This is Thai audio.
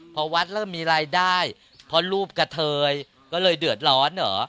พอวัฒน์แล้วมีรายได้พอรูปกะเถยก็เลยเดือดร้อนเหรอ